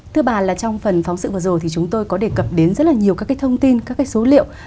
thưa bà trong phần phóng sự vừa rồi chúng tôi có đề cập đến rất nhiều thông tin số liệu